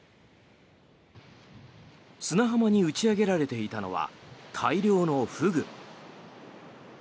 砂浜に打ち上げられていたのは大量のフグ。